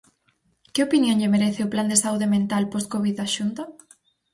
Que opinión lle merece o Plan de Saúde Mental Poscovid da Xunta?